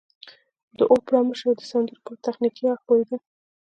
د اوپرا مشر د سندرو پر تخنيکي اړخ پوهېده.